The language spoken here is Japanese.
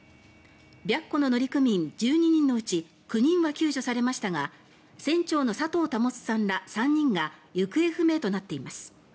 「白虎」の乗組員１２人のうち９人は救助されましたが船長の佐藤保さんら３人が行方不明となっています。